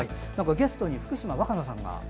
ゲストに福島和可菜さんが。